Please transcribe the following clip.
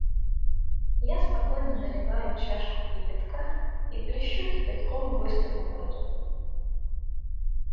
Я спокойно наливаю чашку кипятка и плещу кипятком гостю в морду.